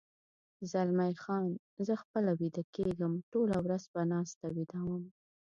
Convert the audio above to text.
زلمی خان: زه خپله ویده کېږم، ټوله ورځ په ناسته ویده وم.